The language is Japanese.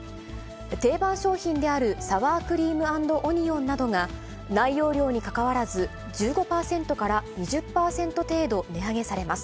定番商品であるサワークリーム＆オニオンなどが、内容量にかかわらず、１５％から２０％程度値上げされます。